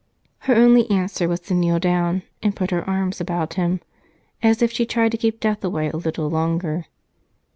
Her only answer was to kneel down and put her arms about him, as if she tried to keep death away a little longer.